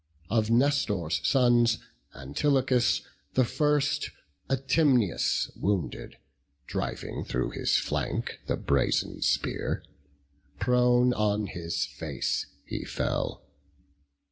Of Nestor's sons, Antilochus, the first, Atymnius wounded, driving through his flank He brazen spear; prone on his face he fell.